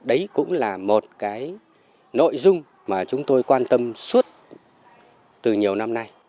đấy cũng là một cái nội dung mà chúng tôi quan tâm suốt từ nhiều năm nay